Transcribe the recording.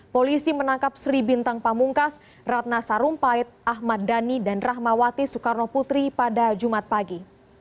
polisi menangkap sri bintang pamungkas ratna sarumpait ahmad dhani dan rahmawati soekarno putri pada jumat pagi